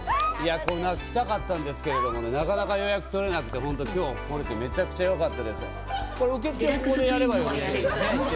ここ来たかったんですけれど、なかなか予約が取れなくて、今日、来られて、めちゃくちゃよかったです。